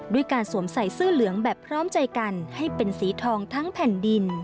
ด้วยการสวมใส่เสื้อเหลืองแบบพร้อมใจกันให้เป็นสีทองทั้งแผ่นดิน